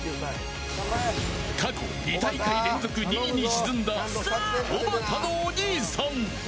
過去、２大会連続２位に沈んだおばたのお兄さん。